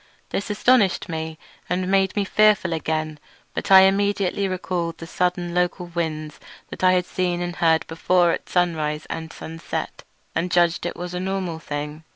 This astonished me and made me fearful again, but I immediately recalled the sudden local winds I had seen and heard before at sunrise and sunset, and judged it was a normal thing.